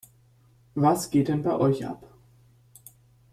Was geht denn bei euch ab?